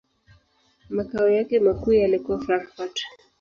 Makao yake makuu yalikuwa Frankfurt.